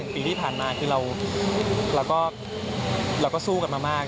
๑ปีที่ผ่านมาที่เราก็สู้กันมาว่า